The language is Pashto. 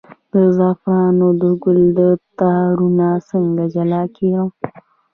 د زعفرانو د ګل تارونه څنګه جلا کړم؟